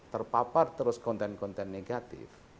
terpapar terus konten konten negatif